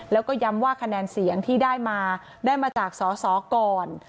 แล้วก็ย้ำว่าคะแนนเสียงที่ได้มาได้มาจากสอสอก่อน